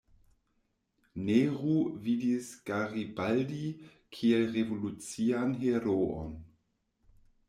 Nehru vidis Garibaldi kiel revolucian heroon.